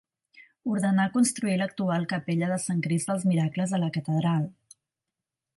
Ordenà construir l'actual capella del Sant Crist dels Miracles a la catedral.